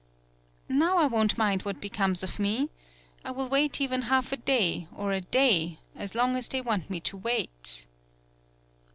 "Now I won't mind what becomes of me. I will wait even half a day, or a day, as long as they want me to wait."